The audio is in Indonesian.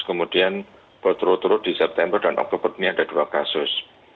kemudian berturut turut di september dan oktober ini ada dua kasus